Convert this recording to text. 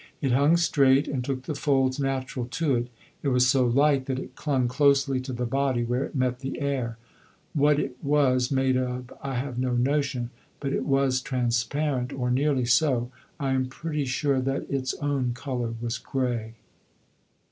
It hung straight and took the folds natural to it. It was so light that it clung closely to the body where it met the air. What it was made of I have no notion; but it was transparent or nearly so. I am pretty sure that its own colour was grey.